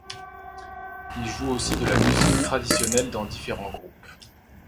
Il joue aussi de la musique traditionnelle dans différents groupes.